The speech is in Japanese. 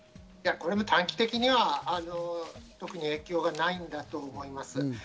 短期的には特に影響はないんだと思います。